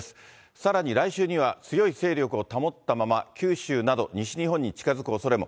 さらに来週には、強い勢力を保ったまま、九州など西日本に近づくおそれも。